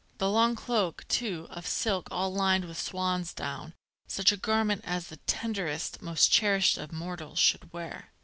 The long cloak, too, of silk all lined with swansdown, such a garment as the tenderest, most cherished of mortals should wear.